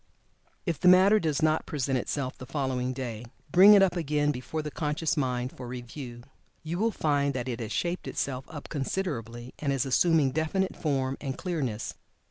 If the matter does not present itself the following day, bring it up again before the conscious mind for review. You will find that it has shaped itself up considerably, and is assuming definite form and clearness.